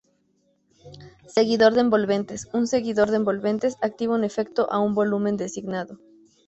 Seguidor de envolventes: Un seguidor de envolventes activa un efecto a un volumen designado.